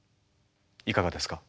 いかがですか？